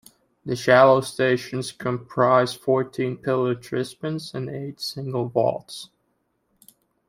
The shallow stations comprise fourteen pillar-trispans and eight single vaults.